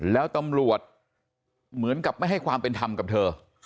แล้วตำรวจเหมือนกับไม่ให้ความเป็นธรรมกับเธอ